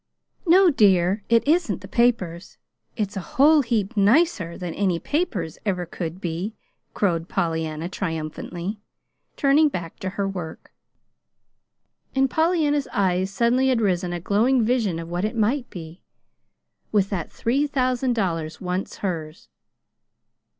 "No, dear, it isn't the papers. It's a whole heap nicer than any papers ever could be," crowed Pollyanna triumphantly, turning back to her work. In Pollyanna's eyes suddenly had risen a glowing vision of what it might be, with that three thousand dollars once hers.